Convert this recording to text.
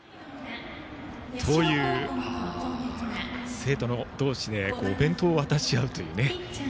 生徒同士でお弁当を渡し合うという。